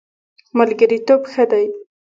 ملګرتوب ښه دی.